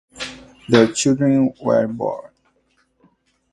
Three children were born.